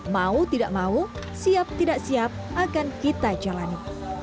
mau tidak mau siap tidak siap akan kita jalani